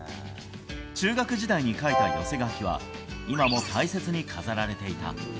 中学時代に書いた寄せ書きは、今も大切に飾られていた。